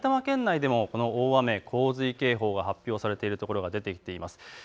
この時間、埼玉県内でも大雨洪水警報が発表されている所が出てきています。